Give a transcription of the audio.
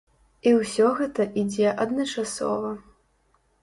І ўсё гэта ідзе адначасова.